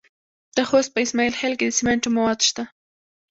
د خوست په اسماعیل خیل کې د سمنټو مواد شته.